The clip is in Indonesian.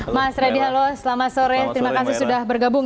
mas reddy halo selamat sore terima kasih sudah bergabung